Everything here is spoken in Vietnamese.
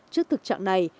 trước thực trạng này